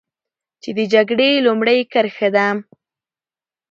چې د جګړې لومړۍ کرښه ده.